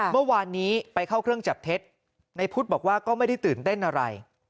เมื่อวานนี้ไปเข้าเครื่องจับเท็จในพุทธบอกว่าก็ไม่ได้ตื่นเต้นอะไร